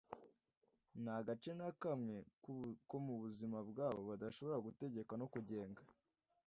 Nta gace na kamwe ko mu buzima bwabo badashobora gutegeka no kugenga.